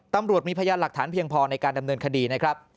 ตำรวจมีพยานหลักฐานเพียงพอในการดำเนินคดีนะครับ